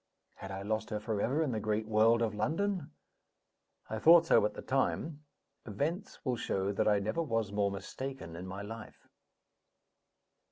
Had I lost her forever in the great world of London? I thought so at the time. Events will show that I never was more mistaken in my life.